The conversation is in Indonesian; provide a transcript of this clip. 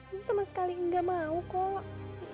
lu sama sekali gak mau kok